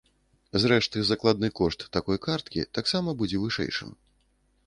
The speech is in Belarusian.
Зрэшты, закладны кошт такой карткі таксама будзе вышэйшым.